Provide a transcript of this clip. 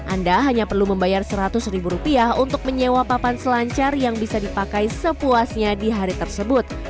anda hanya perlu membayar seratus ribu rupiah untuk menyewa papan selancar yang bisa dipakai sepuasnya di hari tersebut